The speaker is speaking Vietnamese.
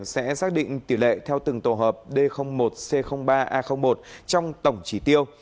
sẽ xác định tỷ lệ theo từng tổ hợp d một c ba a một trong tổng trí tiêu